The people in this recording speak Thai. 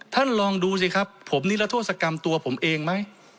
ท่านลองดูสิครับผมนิรโทษกรรมตัวผมเองไหม